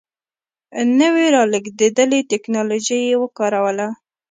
نوې رالېږدېدلې ټکنالوژي یې وکاروله.